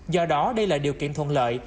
do đó đây là điều kiện thuận lợi